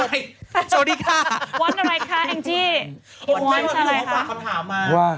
วันอะไรค่ะแองจี้วันอะไรค่ะวันที่หนูพาคำถามมา